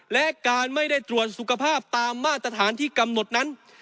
และการไม่ได้ตรวจสุขภาพตามมาตรฐานที่กำหนดนั้น